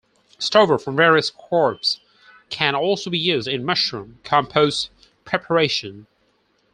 Stover from various crops can also be used in mushroom compost preparation.